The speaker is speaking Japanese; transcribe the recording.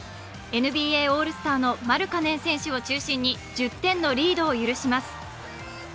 ＮＢＡオールスターのマルカネン選手を中心に１０点のリードを許します。